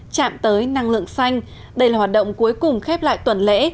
chạm tới năng lượng xanh đây là hoạt động cuối cùng khép lại tuần lễ